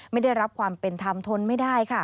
ไม่ได้รับความเป็นธรรมทนไม่ได้ค่ะ